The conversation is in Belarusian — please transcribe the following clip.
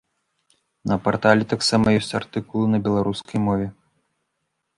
На партале таксама ёсць артыкулы на беларускай мове.